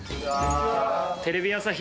テレビ朝日